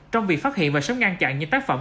trong việc phát hiện và sớm ngăn chặn những tác phẩm